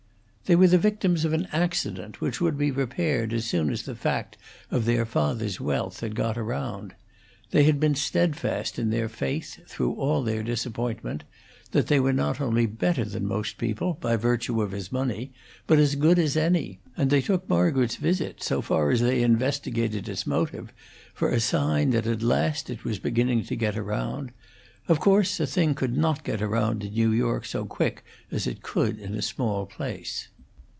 They were the victims of an accident, which would be repaired as soon as the fact of their father's wealth had got around. They had been steadfast in their faith, through all their disappointment, that they were not only better than most people by virtue of his money, but as good as any; and they took Margaret's visit, so far as they investigated its motive, for a sign that at last it was beginning to get around; of course, a thing could not get around in New York so quick as it could in a small place.